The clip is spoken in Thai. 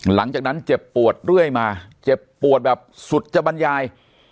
หลังจากนั้นเจ็บปวดด้วยมาเจ็บปวดแบบสุดจบัญญาณ